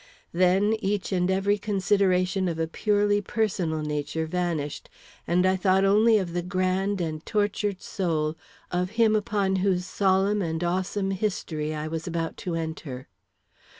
Then each and every consideration of a purely personal nature vanished, and I thought only of the grand and tortured soul of him upon whose solemn and awesome history I was about to enter.